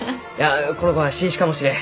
あこの子は新種かもしれん。